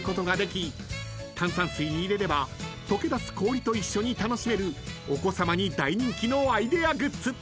炭酸水に入れれば溶け出す氷と一緒に楽しめるお子さまに大人気のアイデアグッズ］